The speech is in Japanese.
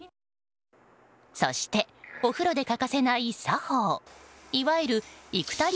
そしてお風呂で欠かせない作法いわゆる生田流